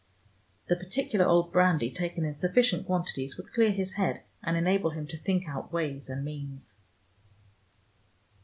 The particular old brandy, taken in sufficient quantities, would clear his head, and enable him to think out ways and means.